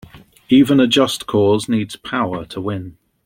Even a just cause needs power to win.